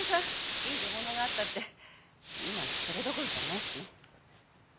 いい出物があったって今それどころじゃないしね。